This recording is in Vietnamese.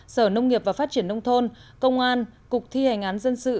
sở nông nghiệp và phát triển nông thôn công an cục thi hành án dân sự